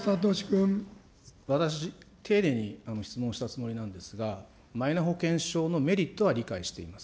私、丁寧に質問したつもりなんですが、マイナ保険証のメリットは理解しています。